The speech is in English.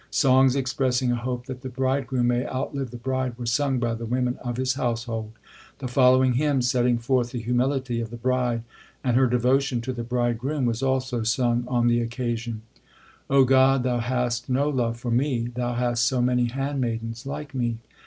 Songs expressing a hope that the bridegroom may outlive the bride, were sung by the women of his household. The following hymn, setting forth the humility of the bride and her devotion to the bridegroom, was also sung on the occasion : God, Thou hast no love for me ; Thou hast so many handmaidens like me.